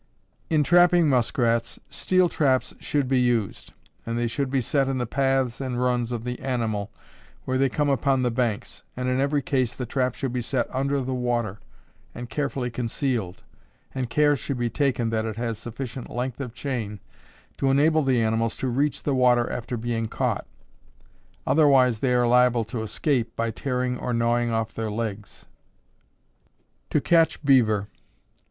In trapping Muskrats, steel traps should be used, and they should be set in the paths and runs of the animal, where they come upon the banks, and in every case the trap should be set under the water, and carefully concealed; and care should be taken that it has sufficient length of chain to enable the animals to reach the water after being caught, otherwise they are liable to escape by tearing or gnawing off their legs. _To Catch Beaver.